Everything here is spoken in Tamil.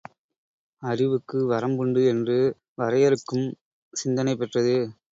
அறிவுக்கு வரம்புண்டு என்று வரையறுக்கும் சிந்தனை பெற்றது.